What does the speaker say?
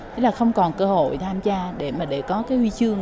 thế là không còn cơ hội tham gia để mà để có cái huy chương